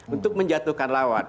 untuk menjatuhkan lawan